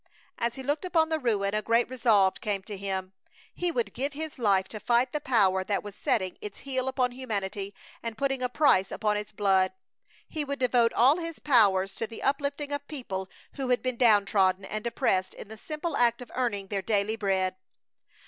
As he looked upon the ruin a great resolve came to him. He would give his life to fight the power that was setting its heel upon humanity and putting a price upon its blood. He would devote all his powers to the uplifting of people who had been downtrodden and oppressed in the simple act of earning their daily bread!